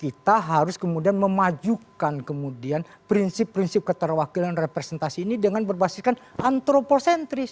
kita harus kemudian memajukan kemudian prinsip prinsip keterwakilan representasi ini dengan berbasiskan antroposentris